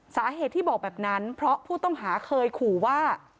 สาเหตุที่บอกแบบนั้นเพราะผู้ต้องหาเคยขู่ว่า